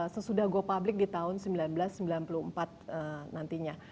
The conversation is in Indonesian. sesudah go public di tahun seribu sembilan ratus sembilan puluh empat nantinya